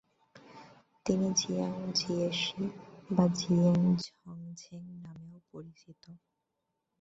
তিনি Jiang Jieshi বা Jiang ঝংঝেং নামেও পরিচিত।